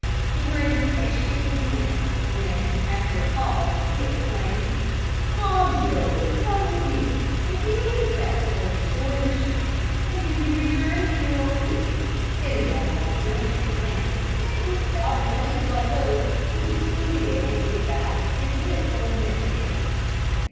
He heard me patiently to the end, when, after a pause, he exclaimed "Come, Job, come with me. A few days' rest will restore your strength, and you can return to your own city. It is not a long journey over land; and with stout limbs like those, you will soon be able to get back and lick old Nip again."